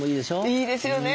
いいですよね。